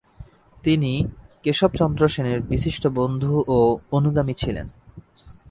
তিনি কেশবচন্দ্র সেনের বিশিষ্ট বন্ধু ও অনুগামী ছিলেন।